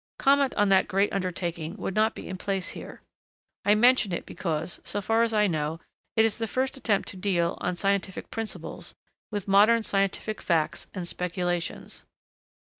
Comment on that great undertaking would not be in place here. I mention it because, so far as I know, it is the first attempt to deal, on scientific principles, with modern scientific facts and speculations.